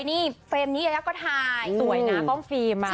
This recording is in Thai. นี่เฟรมนี้ยายาก็ถ่ายสวยนะกล้องฟิล์มมา